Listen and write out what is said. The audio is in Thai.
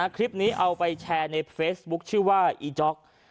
คลิปนี้เอาไปแชร์ในเฟซบุ๊คชื่อว่าอีจ๊อก